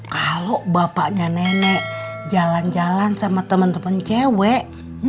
kalau bapaknya nenek jalan jalan sama teman teman icw